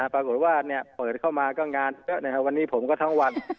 ปรากฏว่าเปิดเข้ามาก็งานเยอะนะครับวันนี้ผมก็ทั้งวัน